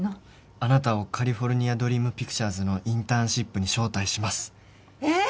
あなたをカリフォルニア・ドリーム・ピクチャーズのインターンシップに招待しますええっ！？